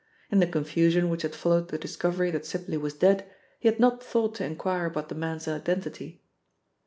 In the confusion which had followed the discovery that Sibly was dead, he had not thought to enquire about the man's identity.